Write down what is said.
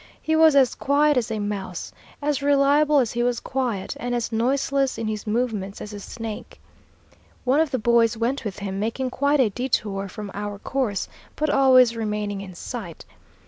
He was as quiet as a mouse, as reliable as he was quiet, and as noiseless in his movements as a snake. One of the boys went with him, making quite a detour from our course, but always remaining in sight.